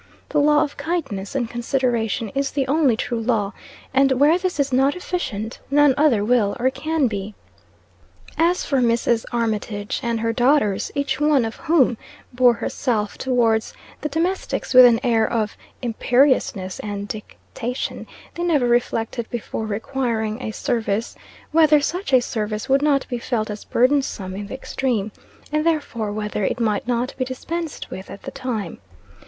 The law of kindness and consideration is the only true law, and where this is not efficient, none other will or can be. As for Mrs. Armitage and her daughters, each one of whom bore herself towards the domestics with an air of imperiousness and dictation, they never reflected before requiring a service whether such a service would not be felt as burdensome in the extreme, and therefore, whether it might not be dispensed with at the time.